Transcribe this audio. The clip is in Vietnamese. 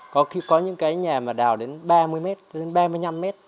có những cái nhà mà đào đến ba mươi mét